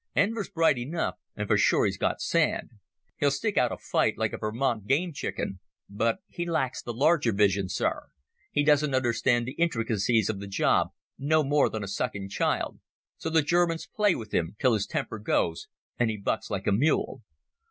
Enver's bright enough, and for sure he's got sand. He'll stick out a fight like a Vermont game chicken, but he lacks the larger vision, Sir. He doesn't understand the intricacies of the job no more than a sucking child, so the Germans play with him, till his temper goes and he bucks like a mule.